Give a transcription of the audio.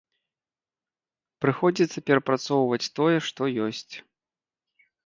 Прыходзіцца перапрацоўваць тое, што ёсць.